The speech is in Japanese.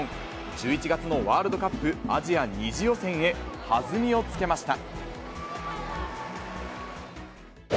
１１月のワールドカップアジア２次予選へ、弾みをつけました。